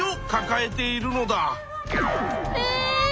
え！